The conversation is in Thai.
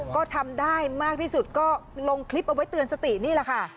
ก็ทำได้มากที่สุดก็ลงคลิปเอาไว้เตือนสตินี่แหละค่ะ